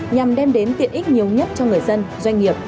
nhằm đem đến tiện ích nhiều nhất cho người dân doanh nghiệp